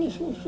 dan juga vice